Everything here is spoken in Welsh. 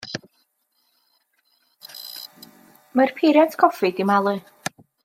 Mae'r peiriant coffi 'di malu.